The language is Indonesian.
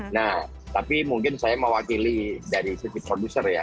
nah tapi mungkin saya mewakili dari sisi produser ya